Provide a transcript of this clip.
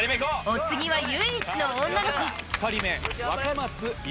お次は唯一の女の子２人目。